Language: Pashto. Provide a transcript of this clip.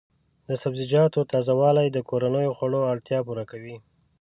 د سبزیجاتو تازه والي د کورنیو خوړو اړتیا پوره کوي.